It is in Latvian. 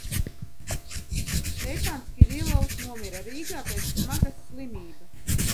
Stepans Kirilovs nomira Rīgā pēc smagas slimības.